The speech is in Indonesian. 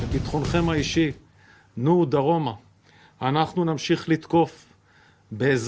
pertama kita akan mengejar di kota gaza